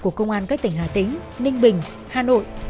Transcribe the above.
của công an các tỉnh hà tĩnh ninh bình hà nội